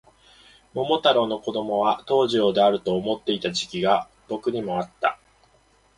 桃太郎の子供は桃次郎であると思っていた時期が僕にもあった